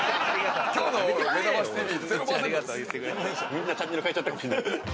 みんなチャンネル変えちゃったかもしれない。